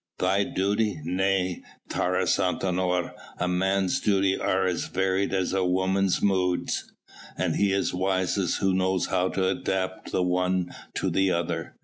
"Thy duty? Nay, Taurus Antinor, a man's duties are as varied as a woman's moods, and he is wisest who knows how to adapt the one to the other.